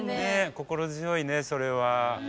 心強いねそれは。